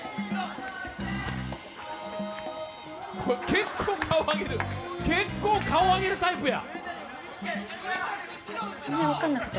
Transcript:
結構顔上げる、結構顔上げるタイプや。